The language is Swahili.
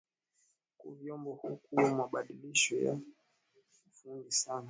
Ku vyombo kuko mahadibisho ya bufundi sana